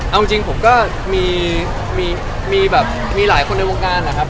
เอาจริงผมก็มีแบบมีหลายคนในวงการแหละครับ